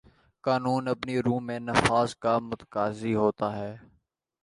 قانون اپنی روح میں نفاذ کا متقاضی ہوتا ہے